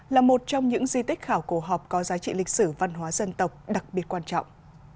là một trong những di tích khảo cổ học có giá trị lịch sử văn hóa dân tộc đặc biệt quan trọng